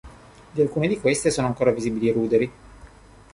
Di alcune di queste sono ancora visibili i ruderi.